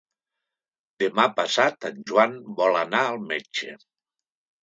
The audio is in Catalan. Demà passat en Joan vol anar al metge.